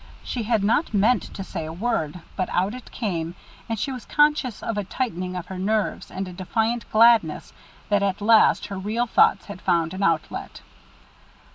She had not meant to say a word, but out it came; and she was conscious of a tightening of her nerves and a defiant gladness that at last her real thoughts had found an outlet.